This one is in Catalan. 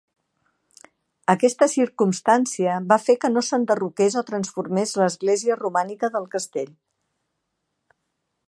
Aquesta circumstància va fer que no s'enderroqués o transformés l'església romànica del castell.